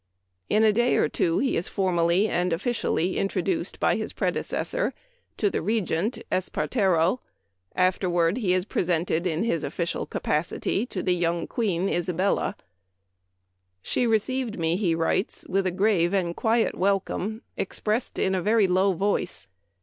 In a day or two he is formally and officially introduced by his predecessor to Memoir of Washington Irving. 273 the Regent, Espartero ; afterward he is pre sented in his official capacity to the young Queen Isabella. " She received me," he writes, " with a grave and quiet welcome, expressed in a very low voice.